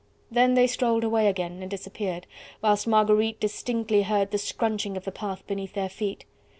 Then they strolled away again and disappeared, whilst Marguerite distinctly heard the scrunching of the path beneath their feet.